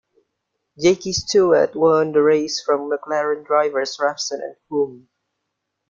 Jackie Stewart won the race from McLaren drivers Revson and Hulme.